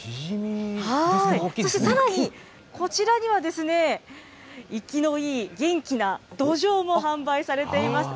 そしてさらにこちらには、生きのいい元気なドジョウも販売されています。